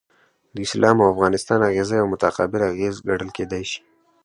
د اسلام او افغانستان اغیزه یو متقابل اغیز ګڼل کیدای شي.